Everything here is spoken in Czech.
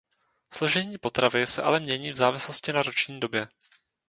Složení potravy se ale mění v závislosti na roční době.